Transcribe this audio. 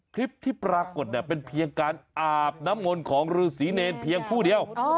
คลิปที่ปรากฏเนี่ยเป็นเพียงการอาบน้ำมนต์ของฤษีเนรเพียงผู้เดียว